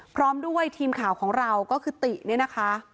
พร้อมด้วยทีมข่าวของเราก็คือติเนี่ยนะคะ